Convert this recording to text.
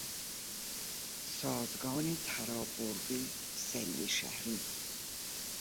سازگان ترابرد سریع شهری